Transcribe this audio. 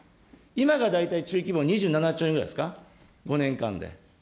今が大体、中期防２７兆円ぐらいですか、５年間で。